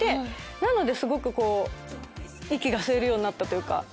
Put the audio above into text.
なので息が吸えるようになったというか。